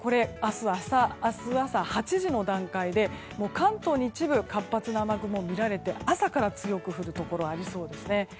明日朝８時の段階で関東に一部活発な雨雲が見られて朝から強く降るところがありそうですね。